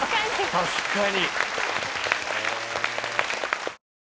確かに！